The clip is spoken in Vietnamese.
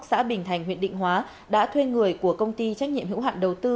xã bình thành huyện định hóa đã thuê người của công ty trách nhiệm hữu hạn đầu tư